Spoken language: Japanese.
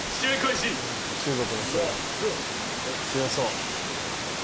強そう。